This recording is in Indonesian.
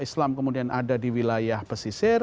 islam kemudian ada di wilayah pesisir